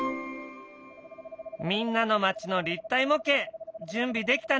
みんなの町の立体模型準備できたね！